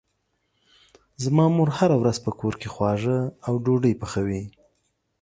زما مور هره ورځ په کور کې خواږه او ډوډۍ پخوي.